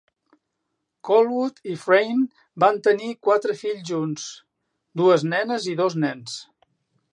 Callwood i Frayne van tenir quatre fills junts: dues nenes i dos nens.